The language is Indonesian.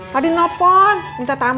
saya mau pilih kucing